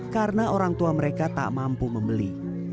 karena orang tua mereka tak mampu membeli